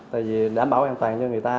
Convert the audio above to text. tại vì đảm bảo an toàn cho người ta